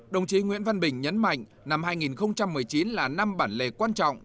đồng chí nguyễn văn bình nhấn mạnh năm hai nghìn một mươi chín là năm bản lề quan trọng